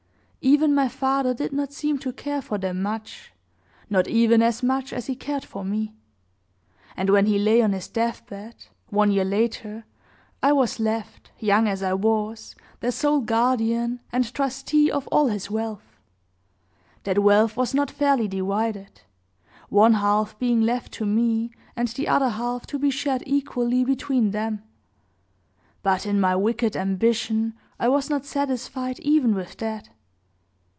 Even my father did not seem to care for them much, not even as much as he cared for me; and when he lay on his deathbed, one year later, I was left, young as I was, their sole guardian, and trustee of all his wealth. That wealth was not fairly divided one half being left to me and the other half to be shared equally between them; but, in my wicked ambition, I was not satisfied even with that.